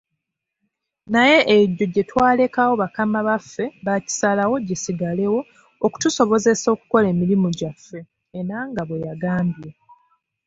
"Naye egyo gyetwalekawo bakama baffe baakisalawo gisigalewo okutusobozesa okukola emirimu gyaffe,” Enanga bweyagambye.